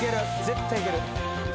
絶対いける。